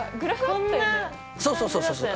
そうそうそうそうそう。